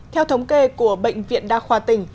theo thống kê của bệnh viện đa khoa tỉnh